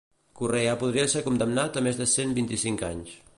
Correa podria ser condemnat a més de cent vint-i-cinc anys.